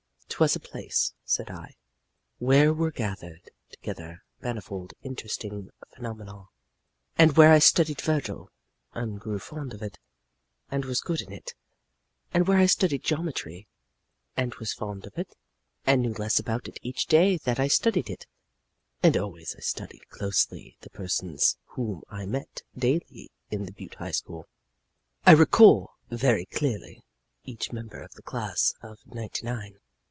"'Twas a place," said I, "where were gathered together manifold interesting phenomena, and where I studied Vergil, and grew fond of it, and was good in it; and where I studied geometry, and was fond of it, and knew less about it each day that I studied it; and always I studied closely the persons whom I met daily in the Butte High School. I recall very clearly each member of the class of ninety nine.